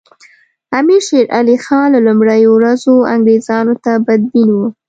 امیر شېر علي خان له لومړیو ورځو انګریزانو ته بدبین وو.